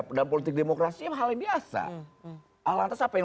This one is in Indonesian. dalam politik demokrasi hal yang biasa